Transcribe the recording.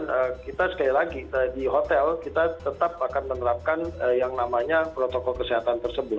dan kita sekali lagi di hotel kita tetap akan menerapkan yang namanya protokol kesehatan tersebut